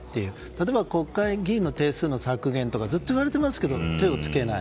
例えば国会議員の定数の削減とかずっと言われていますが手を付けない。